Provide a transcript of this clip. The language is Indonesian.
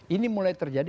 ini mulai terjadi